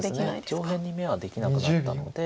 上辺に眼はできなくなったので。